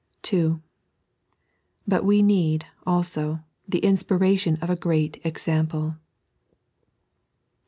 (2) But we need, also, the inspiration of a great example.